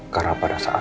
karena pada saat